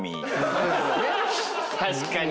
確かに。